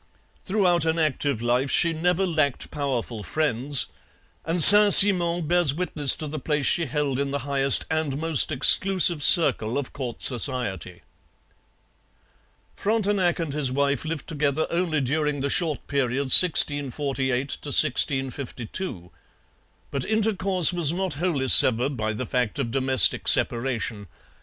Throughout an active life she never lacked powerful friends, and Saint Simon bears witness to the place she held in the highest and most exclusive circle of court society. Frontenac and his wife lived together only during the short period 1648 52. But intercourse was not wholly severed by the fact of domestic separation.